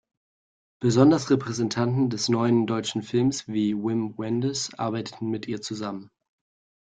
Besonders Repräsentanten des Neuen Deutschen Films wie Wim Wenders arbeiteten mit ihr zusammen.